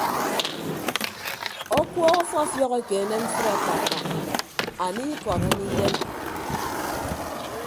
Ọkuọọk ọfiọfiọk ekeene mfịd akpaakpa anie ikọd anie idem.